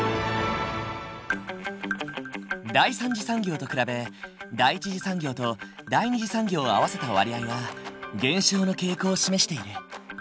第三次産業と比べ第一次産業と第二次産業を合わせた割合は減少の傾向を示している。